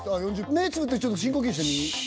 目つぶってちょっと深呼吸してみ。